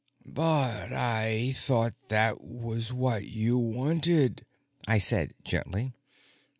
"But I thought that was what you wanted," I said gently.